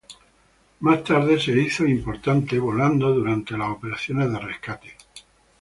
Más tarde, se hizo importante volando durante las operaciones de rescate.